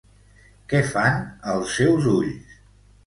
Què fan els seus ulls?